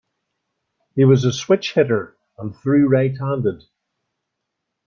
He was a switch hitter and threw right-handed.